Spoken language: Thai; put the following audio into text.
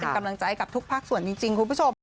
เป็นกำลังใจกับทุกภาคส่วนจริงคุณผู้ชม